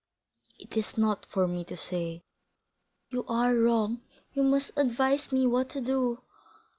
"It is not for me to say." "You are wrong; you must advise me what to do."